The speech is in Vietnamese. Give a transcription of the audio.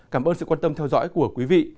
cảm ơn sự quan tâm theo dõi của quý vị